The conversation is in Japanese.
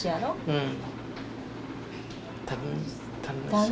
うん。